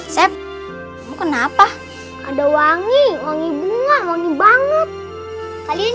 sep kenapa ada wangi wangi bunga wangi banget kalian